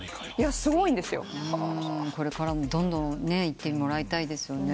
これからもどんどんいってもらいたいですよね。